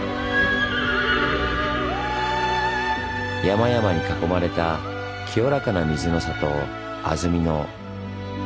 山々に囲まれた清らかな水の郷安曇野。